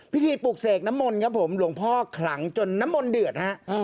พิธีปลุกเสกน้ำมนครับผมลูกพ่อคลังจนน้ำมนเดือดครับ